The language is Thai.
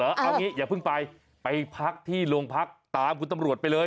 เอางี้อย่าเพิ่งไปไปพักที่โรงพักตามคุณตำรวจไปเลย